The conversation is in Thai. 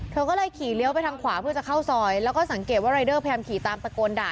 เธอก็เลยขี่เลี้ยวไปทางขวาเพื่อจะเข้าซอยแล้วก็สังเกตว่ารายเดอร์พยายามขี่ตามตะโกนด่า